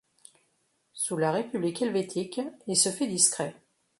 Sous la République helvétique, il se fait discret.